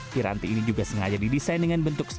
tiranti ini juga sengaja didirikan untuk membuatnya lebih kecil